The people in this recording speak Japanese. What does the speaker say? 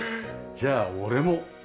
じゃあ俺も。